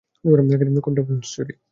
কোনটা film story?